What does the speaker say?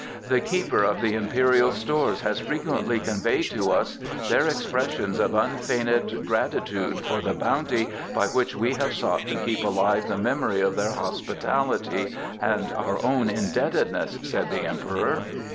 "The Keeper of the Imperial Stores has frequently conveyed to us their expressions of unfeigned gratitude for the bounty by which we have sought to keep alive the memory of their hospitality and our own indebtedness," said the Emperor.